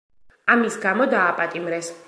ამის გამო დააპატიმრეს.